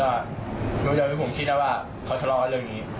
มันก็จะให้ผมคิดแล้วว่าเขาทะเลาะเรื่องนี้